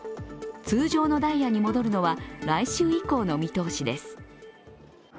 通常のダイヤに戻るのは来週以降の見通しです。